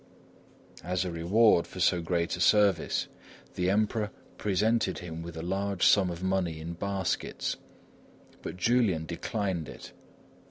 As a reward for so great a service, the Emperor presented him with a large sum of money in baskets; but Julian declined it.